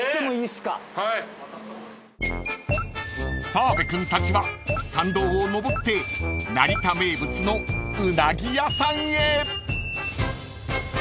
［澤部君たちは参道をのぼって成田名物のうなぎ屋さんへ］